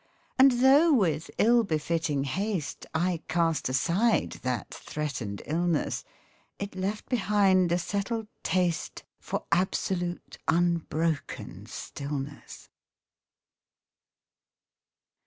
And though with ill befitting haste I cast aside that threatened illness, It left behind a settled taste For absolute unbroken stillness.